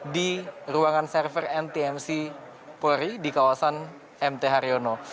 di ruangan server mtmc puri di kawasan mt haryono